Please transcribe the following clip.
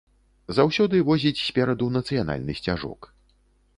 Заўсёды возіць спераду нацыянальны сцяжок.